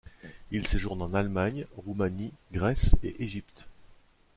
Il séjourne en Allemagne, Roumanie, Grèce et Égypte.